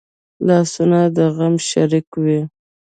لاسونه د غم شریک وي